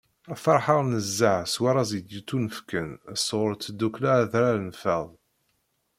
Feṛḥeɣ nezzeh s warraz i d-yettunefken sɣur tddukkla Adrar n Fad.